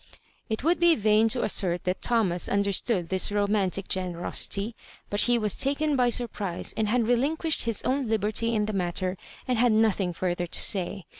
It would be yain to assert that Thomas un derstood this romantic generosity, but he was taken by surprise, and had relinquished his own liberty in the matter, and had nothing fur ther to say.